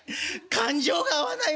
勘定が合わないもんで」。